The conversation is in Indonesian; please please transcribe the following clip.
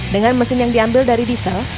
dengan mesin yang diambil dari diesel